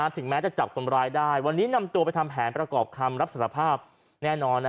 ถึงแม้จะจับคนร้ายได้วันนี้นำตัวไปทำแผนประกอบคำรับสารภาพแน่นอน